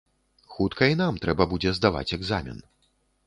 Хутка і нам трэба будзе здаваць экзамен.